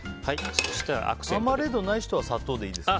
マーマレードない人は砂糖でいいですか？